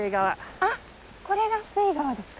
あっこれがスペイ川ですか？